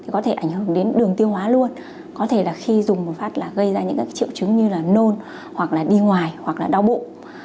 có thể ảnh hưởng đến đường tiêu hóa luôn có thể là khi dùng một phát là gây ra những triệu chứng như là nôn hoặc là đi ngoài hoặc là đau bụng